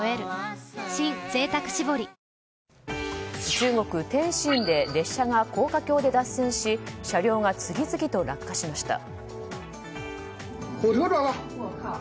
中国・天津で列車が高架橋で脱線し車両が次々と落下しました。